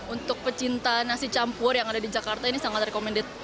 untuk pecinta nasi campur yang ada di jakarta ini sangat recommended